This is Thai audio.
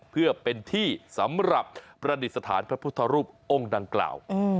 เพื่อเป็นที่สำหรับประดิษฐานพระพุทธรูปองค์ดังกล่าว